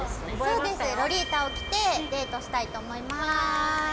そうです、ロリータを着て、デートしたいと思います。